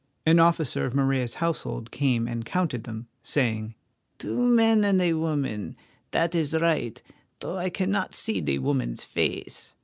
An officer of Morella's household came and counted them, saying: "Two men and a woman. That is right, though I cannot see the woman's face."